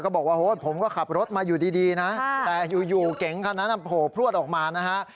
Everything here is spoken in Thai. บอกว่าโหผมก็ขับรถมาอยู่ดีนะแต่อยู่เก๋งคันนั้นโผล่พลวดออกมานะฮะ